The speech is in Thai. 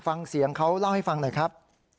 ฟังเสียงเขาเล่าให้ฟังหน่อยครับ